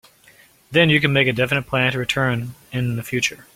Then, you can make a definite plan to return in the future.